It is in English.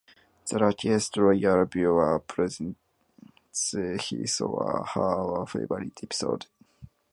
The luckiest loyal viewer presents his or her favorite episode.